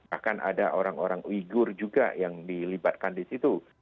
bahkan ada orang orang uyghur juga yang dilibatkan di situ